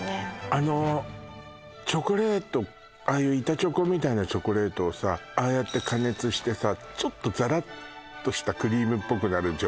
あのチョコレートああいう板チョコみたいなチョコレートをさああやって加熱してさちょっとザラッとしたクリームっぽくなる状態